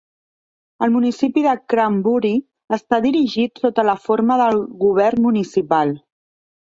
El municipi de Cranbury està dirigit sota la forma de govern municipal.